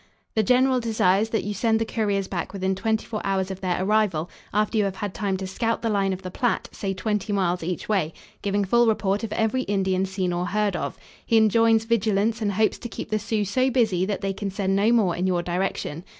The general desires that you send the couriers back within twenty four hours of their arrival, after you have had time to scout the line of the Platte say twenty miles each way, giving full report of every Indian seen or heard of. He enjoins vigilance and hopes to keep the Sioux so busy that they can send no more in your direction.